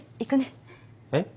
えっ？